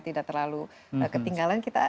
tidak terlalu ketinggalan kita